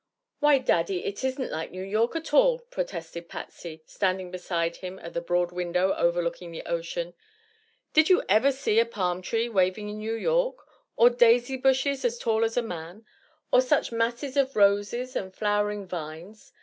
"Why, Daddy, it isn't like New York at all," protested Patsy, standing beside him at the broad window overlooking the ocean. "Did you ever see a palm tree waving in New York; or daisy bushes as tall as a man; or such masses of roses and flowering vines?